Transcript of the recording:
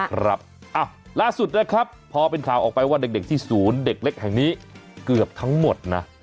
ครับล่าสุดนะครับพอเป็นข่าวออกไปว่าเด็กที่ศูนย์เด็กเล็กแห่งนี้เกือบทั้งหมดนะ